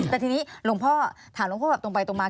แต่ทีนี้หลวงพ่อถามหลวงพ่อแบบตรงไปตรงมา